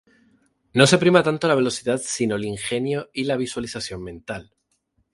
No se prima tanto la velocidad sino el ingenio y la visualización mental.